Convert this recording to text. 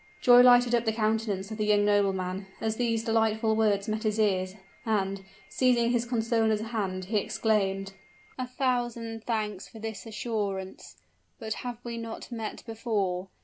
Joy lighted up the countenance of the young nobleman, as these delightful words met his ears; and, seizing his consoler's hand, he exclaimed: "A thousand thanks for this assurance! But, have we not met before?